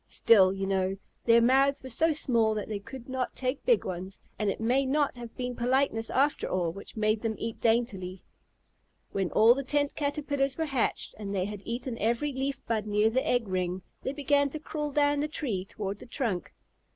Still, you know, their mouths were so small that they could not take big ones, and it may not have been politeness after all which made them eat daintily. When all the Tent Caterpillars were hatched, and they had eaten every leaf bud near the egg ring, they began to crawl down the tree toward the trunk.